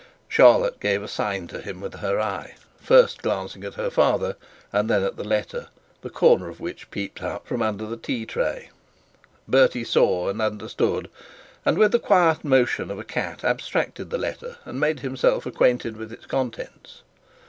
Charlotte gave a little sign to him with her eye, first glancing at her father, and then at the letter, the corner of which peeped out from under the tea tray. Bertie saw and understood, and with the quiet motion of a cat abstracted the letter, and made himself acquainted with its contents.